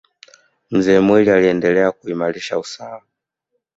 mzee mwinyi aliendelea kuimarisha usawa